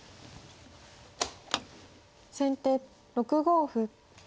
先手６五歩。